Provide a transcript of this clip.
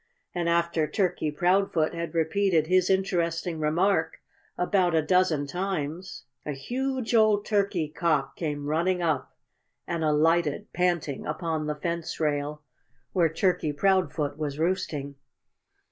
And after Turkey Proudfoot had repeated his interesting remark about a dozen times a huge old turkey cock came running up and alighted, panting, upon the fence rail where Turkey Proudfoot was roosting.